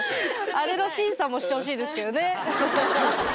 あれの審査もしてほしいですけどね。